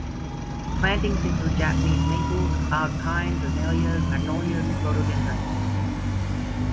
Plantings include Japanese maples, cloud pines, azaleas, magnolias, and rhododendrons.